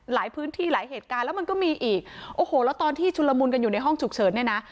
หลายพื้นที่หลายเหตุการณ์แล้วมันก็มีอีกโอ้โหแล้วตอนที่ชุนละมุนกันอยู่ในห้องฉุกเฉินเนี่ยนะ